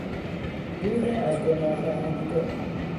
روح از گناه رهانیده